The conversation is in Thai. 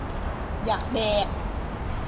อยากแดก